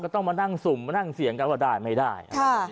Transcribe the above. ต้องมานั่งสุ่มมานั่งเสียงกันว่าได้ไม่ได้